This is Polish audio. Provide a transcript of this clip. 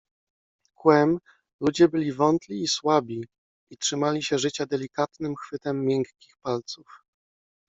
Kłem, ludzie byli wątli i słabi, i trzymali się życia delikatnym chwytem miękkich palców.